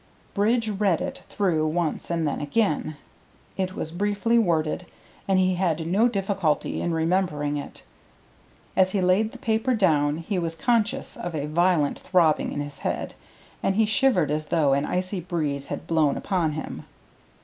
Bridge read it through once and then again; it was briefly worded, and he had no difficulty in remembering it. As he laid the paper down he was conscious of a violent throbbing in his head, and he shivered as though an icy breeze had blown upon him.